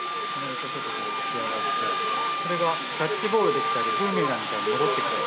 これがキャッチボールできたりブーメランみたいに戻ってきたり。